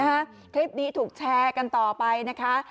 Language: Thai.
คลิปนี้ถูกแชร์กันต่อไปนะคะ